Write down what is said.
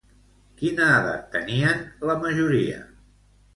Quina edat tenien la majoria?